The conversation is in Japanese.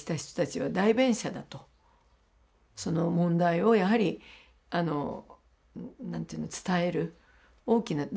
その問題をやはり何ていうの伝える大きな代弁者ですね。